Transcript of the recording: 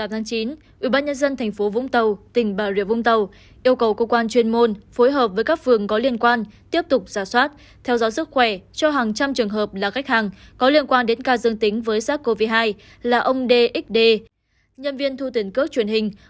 hãy đăng ký kênh để ủng hộ kênh của chúng mình nhé